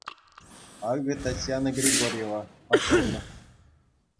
Акӑ Татьяна Григорьева -- фотограф.